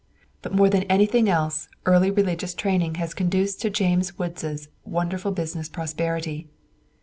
But more than anything else, early religious training has conduced to James Wood's wonderful business prosperity.